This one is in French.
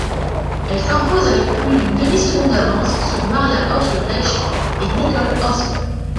Elle s'impose avec plus d'une demi seconde d'avance sur Maria Höfl-Riesch et Nicole Hosp.